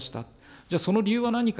じゃあ、その理由は何か。